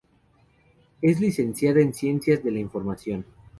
Es licenciada en Ciencias de la Información.